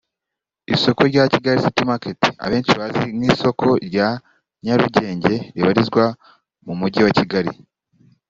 Isoko rya Kigali City Market abenshi bazi nk’isoko rya Nyarugenge ribarizwa mu mujyi wa Kigali